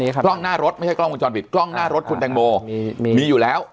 กล้องหน้ารถไม่ใช่กล้องวงจรปิดกล้องหน้ารถคุณแตงโมมีมีอยู่แล้ว